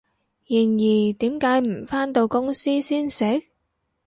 然而，點解唔返到公司先食？